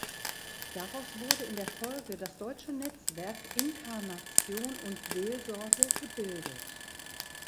Daraus wurde in der Folge das deutsche Netzwerk Inkarnation und Seelsorge gebildet.